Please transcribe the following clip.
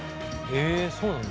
へえそうなんだ。